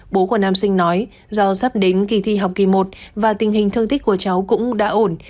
bố của nam sinh nói do sắp đến kỳ thi học kỳ một và tình hình thương tích của cháu cũng đã ổn